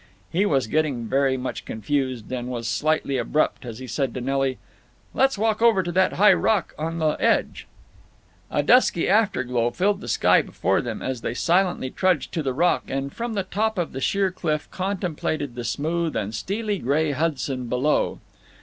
He was getting very much confused, and was slightly abrupt as he said to Nelly, "Let's walk over to that high rock on the edge." A dusky afterglow filled the sky before them as they silently trudged to the rock and from the top of the sheer cliff contemplated the smooth and steely gray Hudson below.